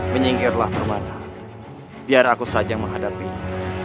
menyingkirlah permana biar aku saja yang menghadapinya